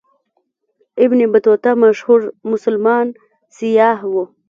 ابن بطوطه مشهور مسلمان سیاح و.